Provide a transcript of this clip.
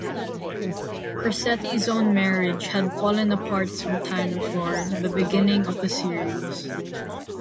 Crosetti's own marriage had fallen apart sometime before the beginning of the series.